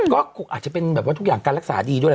ก็คงอาจจะเป็นแบบว่าทุกอย่างการรักษาดีด้วย